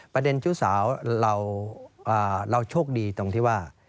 ชู้สาวเราโชคดีตรงที่ว่า